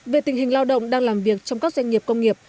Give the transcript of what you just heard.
về tình hình lao động đang làm việc trong các doanh nghiệp công nghiệp